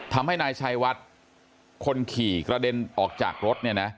ทำให้นายชัยวัดคนขี่กระเด็นออกจากรถเนี่ยนะ